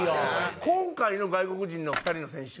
今回の外国人の２人の選手